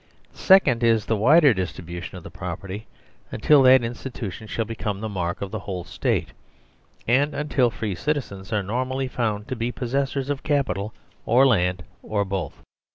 The second is the wider distribution of property until that institution shall become the mark of the whole State, and until free citizens are nor 100 STABLE SOLUTIONS THEREOF mally found to be possessors of capital or land, or both.